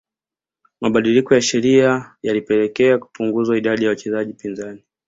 Mabadiliko ya sheria yalipelekea kupunguzwa idadi ya wachezaji pinzani